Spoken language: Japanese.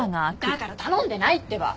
だから頼んでないってば。